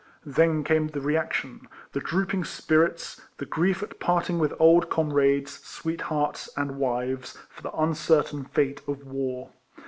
Then came the reaction. The drooping spirits, the grief at parting with old comrades, sweethearts, and wives, for the uncertain fate of war.